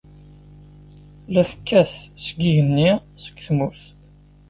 La tekkat seg yigenni, seg tmurt.